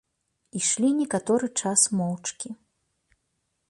Ішлі некаторы час моўчкі.